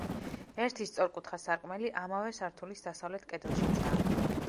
ერთი სწორკუთხა სარკმელი ამავე სართულის დასავლეთ კედელშიცაა.